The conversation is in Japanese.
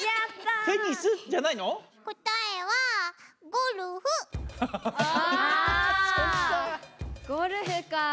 ゴルフかぁ。